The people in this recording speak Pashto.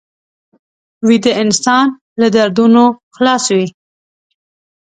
ویده انسان له دردونو خلاص وي